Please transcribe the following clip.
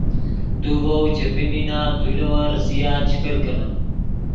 تو ڤؤ چے پیمینا تو لے ون ریسیا چے کرکینے